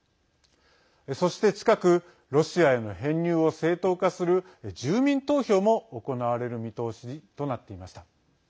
そして近くロシアへの編入を正当化する住民投票も行われる見通しとなっていました。